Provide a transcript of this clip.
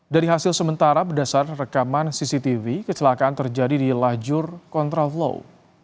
dari hasil sementara berdasar rekaman cctv kecelakaan terjadi di lajur kontraflow